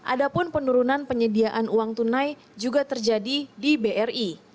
adapun penurunan penyediaan uang tunai juga terjadi di bri